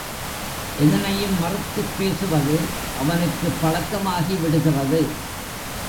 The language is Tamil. எதனையும் மறுத்துப் பேசுவது அவனுக்குப் பழக்கமாகிவிடுகிறது.